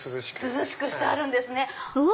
涼しくしてあるんですね。